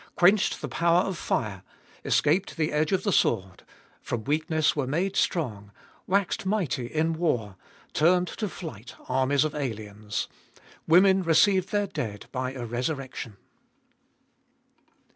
Quenched the power of fire, escaped the edge of the sword from weak ness were made strong, waxed mighty in war, turned to flight armies of aliens : 35. Women received their dead by a resurrection.